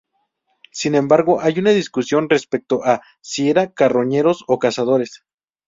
Sin embargo, hay una discusión respecto a si eran carroñeros o cazadores.